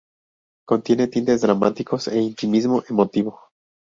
Contiene tintes dramáticos e intimismo emotivo.